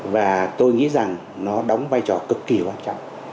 và tôi nghĩ rằng nó đóng vai trò cực kỳ quan trọng